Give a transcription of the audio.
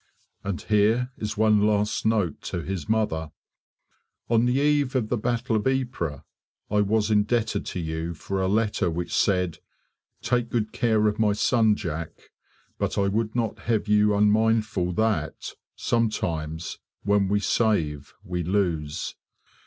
And here is one last note to his mother: On the eve of the battle of Ypres I was indebted to you for a letter which said "take good care of my son Jack, but I would not have you unmindful that, sometimes, when we save we lose."